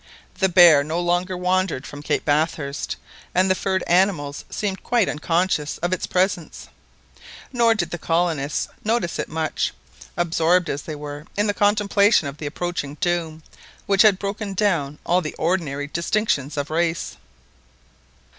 The bear no longer wandered from Cape Bathurst, and the furred animals seemed quite unconscious of its presence; nor did the colonists notice it much, absorbed as they were in the contemplation of the approaching doom, which had broken down all the ordinary distinctions of race.